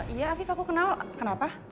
iya afif aku kenal kenapa